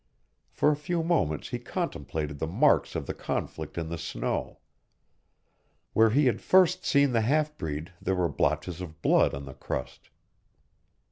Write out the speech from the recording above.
For a few moments he contemplated the marks of the conflict in the snow. Where he had first seen the half breed there were blotches of blood on the crust.